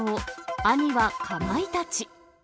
兄はかまいたち。